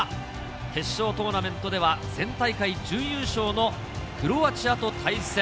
決勝トーナメントでは前大会準優勝のクロアチアと対戦。